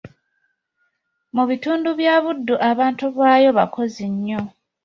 Mu bitundu bya Buddu abantu baayo bakozzi nyo.